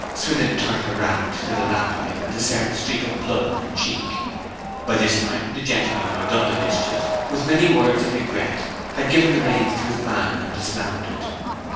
Swithin turned her round to the lamplight, and discerned a streak of blood on her cheek. By this time the gentleman who had done the mischief, with many words of regret, had given the reins to his man and dismounted.